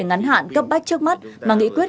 ngắn hạn cấp bách trước mắt mà nghĩ quyết